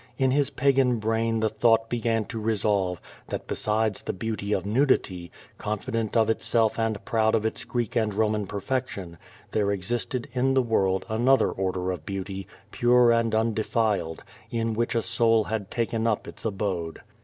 In his pagan brain the thought be gan to revolve, that besides the beauty of nudity, confident of itself and proud of its Greek and Koman perfection, there ex isted in the world another order of beauty, pure and undefiled, in which a soul had taken up its ab(xle.